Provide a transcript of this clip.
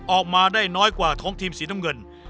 ออกมาได้น้อยกว่าท้องทีมสีน้ำเงิน